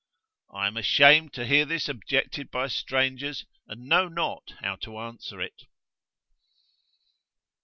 I am ashamed to hear this objected by strangers, and know not how to answer it.